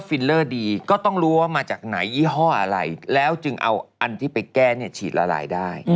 เพราะอะไรแล้วจึงเอาอันที่ไปแก้เนี่ยฉีดละลายได้